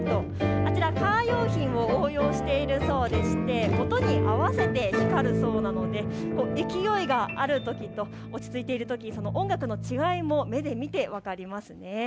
あちらカー用品を応用しているそうでして音に合わせて光るそうなので勢いがあるときと落ち着いているとき、その音楽の違いも目で見て分かりますね。